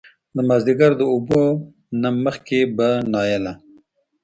د مازديګر د اوبو نه مخکې به نايله